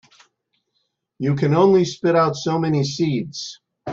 You can only spit out so many seeds.